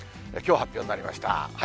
きょう発表されました。